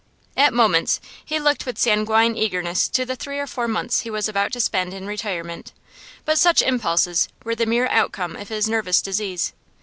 At moments he looked with sanguine eagerness to the three or four months he was about to spend in retirement, but such impulses were the mere outcome of his nervous disease.